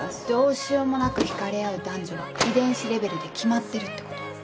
どうしようもなく引かれ合う男女は遺伝子レベルで決まってるってこと。